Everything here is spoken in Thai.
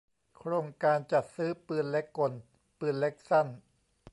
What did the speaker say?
โครงการจัดซื้อปืนเล็กกล ปืนเล็กสั้น